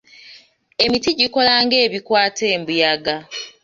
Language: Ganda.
Emiti gikola nga ebikwata embuyaga.